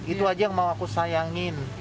itu aja yang mau aku sayangin